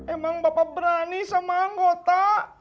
emang bapak berani sama anggota